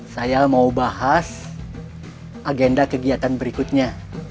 saya mau bahas agenda kegiatan berikutnya